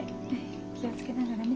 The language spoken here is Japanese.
気を付けながらね。